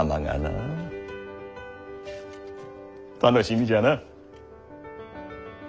楽しみじゃな。